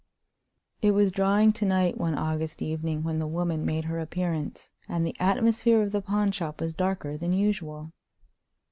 It was drawing to night one August evening when the woman made her appearance, and the atmosphere of the pawnshop was darker than usual.